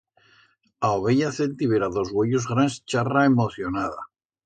A ovella celtibera d'os uellos grans charra emocionada.